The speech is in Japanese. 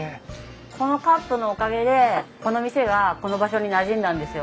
このカップのおかげでこの店がこの場所になじんだんですよ。